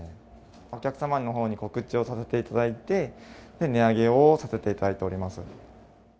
お客様のほうに告知をさせていただいて、値上げをさせていただいております。